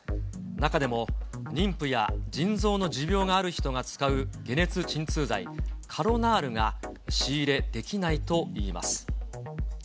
中でも、妊婦や腎臓の持病がある人が使う解熱鎮痛剤、カロナールが仕入れできないといいます。